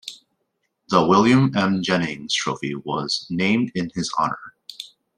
The William M. Jennings Trophy was named in his honor.